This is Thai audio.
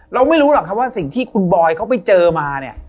เราไม่รู้หรอกครับว่าสิ่งที่คุณบอยเขาไปเจอมาเนี่ย